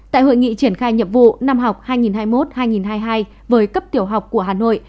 tại hội nghị triển khai nhiệm vụ năm học hai nghìn hai mươi một hai nghìn hai mươi hai với cấp tiểu học của hà nội